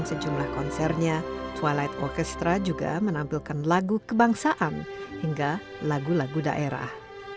sejumlah konsernya twilight orkestra juga menampilkan lagu kebangsaan hingga lagu lagu daerah